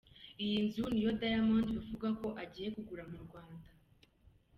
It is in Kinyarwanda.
Iyi nzu niyo Diamond bivugwa ko agiye kugura mu Rwanda.